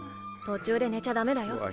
途中で寝ちゃだめだよ？